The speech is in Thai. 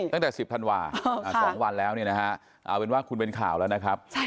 ตั้งแต่๑๐ธันวา๒วันแล้วเนี่ยนะฮะเอาเป็นว่าคุณเป็นข่าวแล้วนะครับ